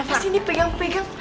lo disini pegang pegang